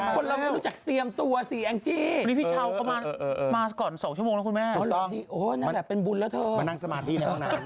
คนละไม่รู้จักเตรียมตัวสี่